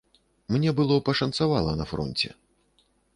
Мне было пашанцавала на фронце.